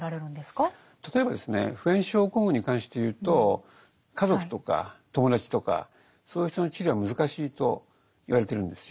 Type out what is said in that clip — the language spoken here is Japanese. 例えばですね普遍症候群に関して言うと家族とか友達とかそういう人の治療は難しいと言われてるんですよ。